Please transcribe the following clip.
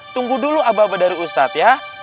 tunggu dulu abah abah dari ustadz ya